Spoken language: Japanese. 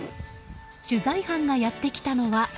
取材班がやってきたのは。